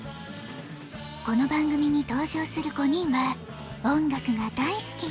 この番組に登場する５人は音楽が大好き。